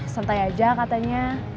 santai aja katanya